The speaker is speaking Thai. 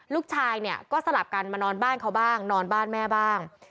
ลูกชายเนี่ยก็สลับกันมานอนบ้านเขาบ้างนอนบ้านแม่บ้าง